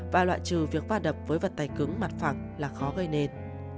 và loại trừ việc vào đập với vật tài cứng mặt phẳng là khó gây nền